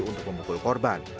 untuk membukul korban